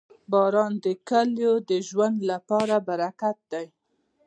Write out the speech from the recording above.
• باران د کلیو د ژوند لپاره برکت دی.